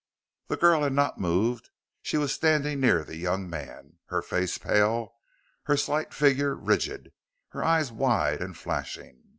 The girl had not moved; she was standing near the young man, her face pale, her slight figure rigid, her eyes wide and flashing.